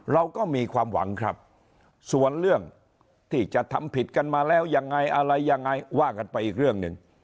เราก็มีความหวังครับส่วนเรื่องที่จะทำผิดกันมาแล้วยังไงอะไรยังไงว่ากันไปอีกเรื่องหนึ่ง